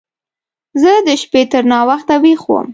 زه د شپې تر ناوخته ويښ وم.